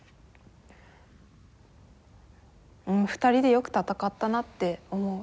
２人でよく戦ったなって思う。